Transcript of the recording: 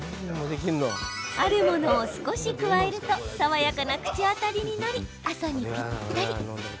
あるものを少し加えると爽やかな口当たりになり朝にぴったり。